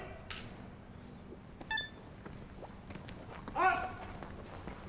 ・あっ！